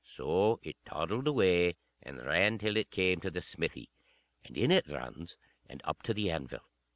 So it toddled away and ran till it came to the smithy; and in it runs, and up to the anvil.